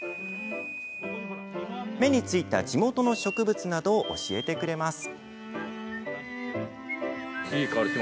目についた地元の植物などを教えてくれます。